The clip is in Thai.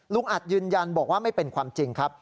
อัดยืนยันบอกว่าไม่เป็นความจริงครับ